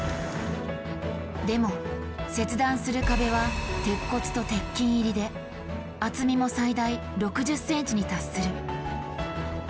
でも切断する壁は鉄骨と鉄筋入りで厚みも最大６０ｃｍに達する。